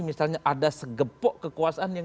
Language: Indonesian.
misalnya ada segepok kekuasaan yang